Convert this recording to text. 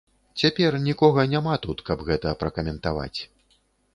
Цяпер нікога няма тут, каб гэта пракаментаваць.